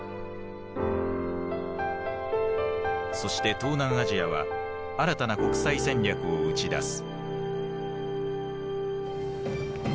そして東南アジアは新たな国際戦略を打ち出す。